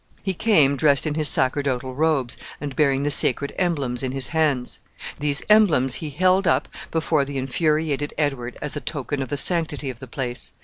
He came dressed in his sacerdotal robes, and bearing the sacred emblems in his hands. These emblems he held up before the infuriated Edward as a token of the sanctity of the place.